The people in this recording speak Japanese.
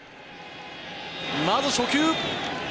まず初球。